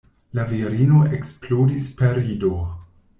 La virino eksplodis per rido.